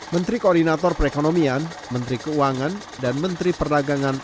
menteri koordinator perekonomian menteri keuangan dan menteri perdagangan